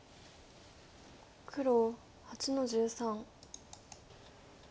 黒８の十三。